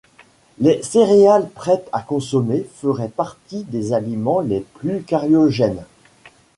Les céréales prêtes à consommer feraient partie des aliments les plus cariogènes.